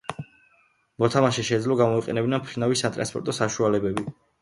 მოთამაშეს შეეძლო გამოეყენებინა მფრინავი სატრანსპორტო საშუალებები, როგორებიცაა თვითმფრინავი და ვერტმფრენი.